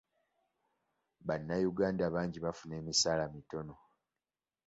Bannayuganda bangi bafuna emisaala mitono.